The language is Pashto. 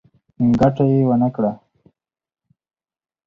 ګټه يې ونکړه.